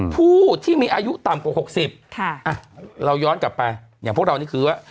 ผู้ที่มีอายุต่ำกว่า๖๐เราย้อนกลับไปอย่างพวกเรานี่คือว่า